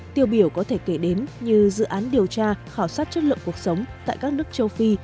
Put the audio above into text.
tiêu biểu có thể kể đến như dự án điều tra khảo sát chất lượng cuộc sống tại các nước châu phi